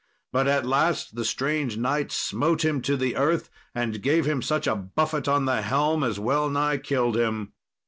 But at last the strange knight smote him to the earth, and gave him such a buffet on the helm as wellnigh killed him.